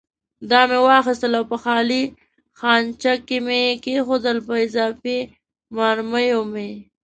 دا مې واخیستل او په خالي خانچه کې مې کېښوول، په اضافي مرمیو مې.